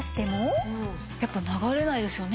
やっぱ流れないですよね。